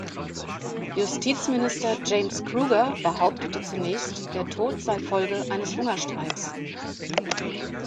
Justizminister James Kruger behauptete zunächst, der Tod sei Folge eines Hungerstreiks.